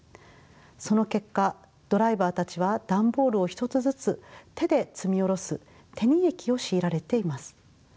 その結果ドライバーたちは段ボールを１つずつ手で積み降ろす手荷役を強いられています。